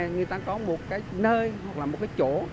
người ta có một cái nơi hoặc là một cái chỗ